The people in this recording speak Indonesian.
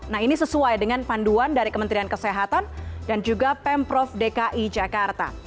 nah ini sesuai dengan panduan dari kementerian kesehatan dan juga pemprov dki jakarta